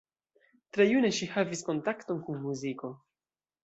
Tre june ŝi havis kontakton kun muziko.